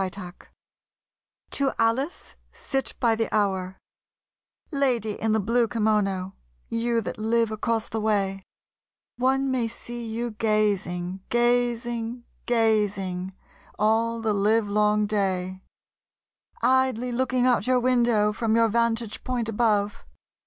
Y Z To Alice Sit By The Hour LADY in the blue kimono, you that live across the way, One may see you gazing, gazing gazing all the livelong day, Idly looking out your window from your vantage point above.